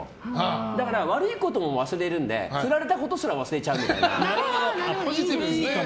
だから悪いことも忘れるので振られたことすら忘れちゃうかも。